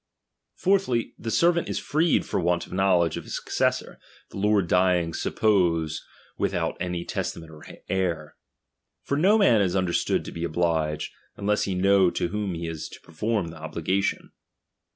Fourthly, the ser\'aDt is freed for "«^^ant of knowledge of a successor, the lord dying C suppose) withont any testament or heir. For no wxzMza is understood to be obliged, unless he tnow fc<Z) whom he is to perform the obligation.